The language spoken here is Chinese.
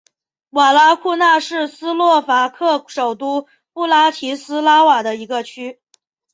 瓦拉库纳是斯洛伐克首都布拉提斯拉瓦的一个区。